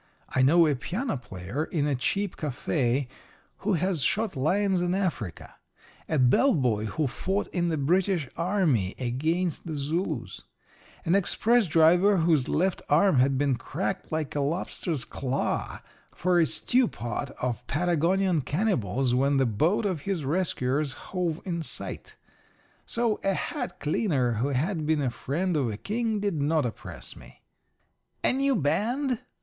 I know a piano player in a cheap café who has shot lions in Africa, a bell boy who fought in the British army against the Zulus, an express driver whose left arm had been cracked like a lobster's claw for a stew pot of Patagonian cannibals when the boat of his rescuers hove in sight. So a hat cleaner who had been a friend of a king did not oppress me. "A new band?"